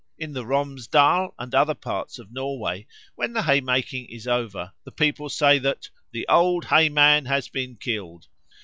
In the Romsdal and other parts of Norway, when the haymaking is over, the people say that "the Old Hay man has been killed."